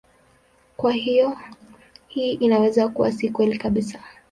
Kwa hiyo hii inaweza kuwa si kweli kabisa.